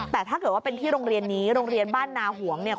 แต่ถ้าเกิดว่าเป็นที่โรงเรียนนี้โรงเรียนบ้านนาหวงเนี่ย